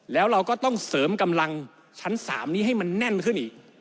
แล้วเราก็ต้องเสริมกำลังชั้น๓นี้ให้มันแน่นขึ้นอีก